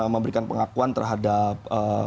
memberikan pengakuan terhadap